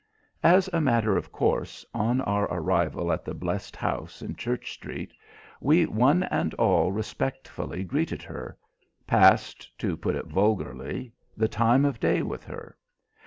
As a matter of course, on our arrival at the blest house in Church Street, we one and all respectfully greeted her, passed, to put it vulgarly, the time of day with her.